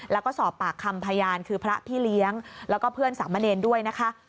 แล้วก็สอบปากคำพยานคือพระพี่เลี้ยงแล้วก็เพื่อนสามเณรด้วยนะคะ